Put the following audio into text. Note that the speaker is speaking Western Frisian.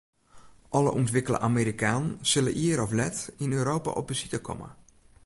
Alle ûntwikkele Amerikanen sille ier of let yn Europa op besite komme.